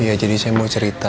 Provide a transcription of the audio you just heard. iya jadi saya mau cerita